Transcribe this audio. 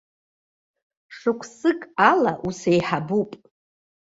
Шықәсык ала усеиҳабуп.